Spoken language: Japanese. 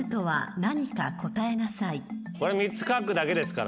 これ３つ書くだけですから。